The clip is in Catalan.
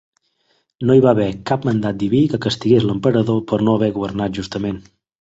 No hi va haver cap mandat diví que castigués l'emperador per no haver governat justament.